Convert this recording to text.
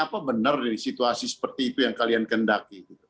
apa benar situasi seperti itu yang kalian kehendaki